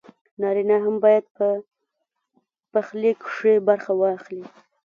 نارينه هم بايد په پخلي کښې برخه واخلي